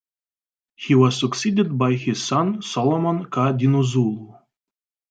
He was succeeded by his son Solomon kaDinuzulu.